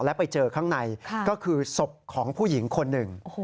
แล้วไปเจอข้างในก็คือศพของผู้หญิงคนหนึ่ง